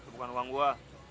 itu bukan uang gue